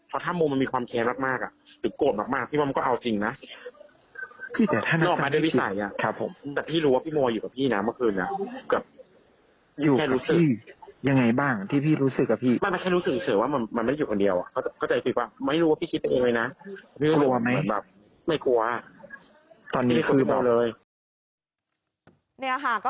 เพราะถ้ามุมมีความแคร์มากหรือโกรธมาก